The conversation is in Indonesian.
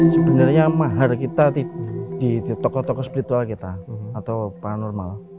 sebenarnya mahar kita di tokoh tokoh spiritual kita atau paranormal